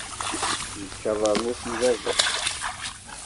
Yečča abernus n baba-s.